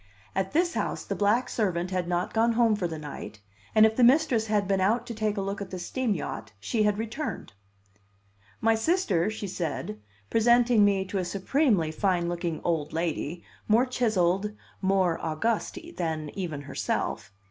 At this house the black servant had not gone home for the night, and if the mistress had been out to take a look at the steam yacht, she had returned. "My sister," she said, presenting me to a supremely fine looking old lady, more chiselled, more august, than even herself.